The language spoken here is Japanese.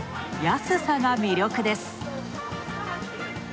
安さが魅力です。